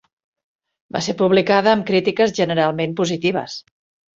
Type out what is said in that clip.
Va ser publicada amb crítiques generalment positives.